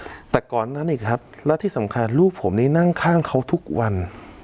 แต่ก่อนนั้นอีกครับแล้วที่สำคัญลูกผมนี่นั่งข้างเขาทุกวัน